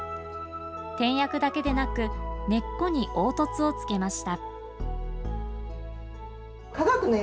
点訳だけでなく、根っこに凹凸をつけました。